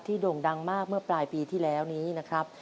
โด่งดังมากเมื่อปลายปีที่แล้วนี้นะครับ